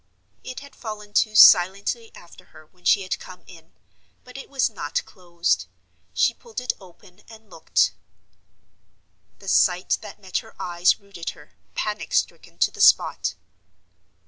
It had fallen to silently after her when she had come in, but it was not closed. She pulled it open, and looked. The sight that met her eyes rooted her, panic stricken, to the spot.